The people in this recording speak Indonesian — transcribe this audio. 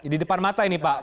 di depan mata ini pak